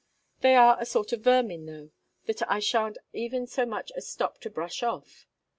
They are a sort of vermin, though, that I sha'n't even so much as stop to brush off.